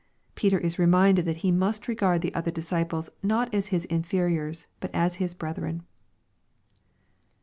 Peter is reminded that he must regard the other disciples, not as his inferiors, but as hia " brethren."